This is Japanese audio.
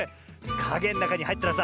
かげのなかにはいったらさ